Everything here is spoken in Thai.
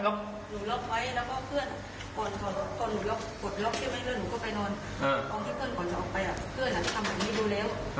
แล้วถ้าไอ้เพื่อนก็ไปนอน